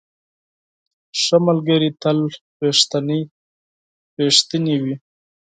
ښه ملګري تل رښتیني وي.